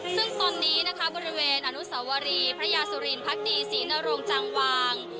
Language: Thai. ซึ่งตอนนี้นะคะบริเวณอนุสาวรีพระยาสุรินพักดีศรีนรงจังวาง